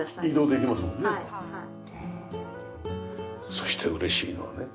そして嬉しいのはね